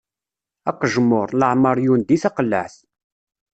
Aqejmuṛ, leɛmeṛ yundi taqellaɛt.